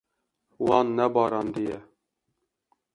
Wan nebarandiye.